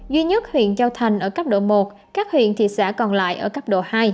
duy nhất huyện châu thành ở cấp độ một các huyện thị xã còn lại ở cấp độ hai